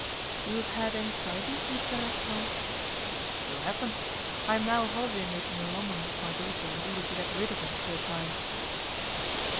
'You have had anxieties, Mr Racksole?' 'Still have them. I am now holiday making in London with my daughter in order to get rid of them for a time.